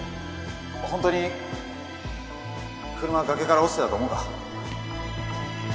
ホントに車崖から落ちてたと思うか？